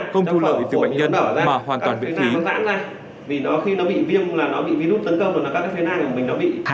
không thu lợi từ bệnh nhân mà hoàn toàn biệt thí